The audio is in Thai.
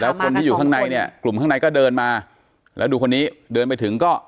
คนที่อยู่ข้างในเนี่ยกลุ่มข้างในก็เดินมาแล้วดูคนนี้เดินไปถึงก็